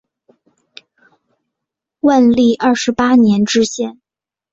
万历二十八年知县。